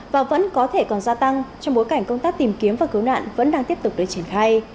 và vẫn có thể còn gia tăng trong bối cảnh công tác tìm kiếm và cứu nạn vẫn đang tiếp tục được triển khai